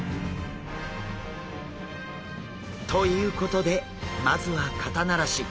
ということでまずは肩慣らし。